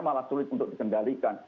malah sulit untuk dikendalikan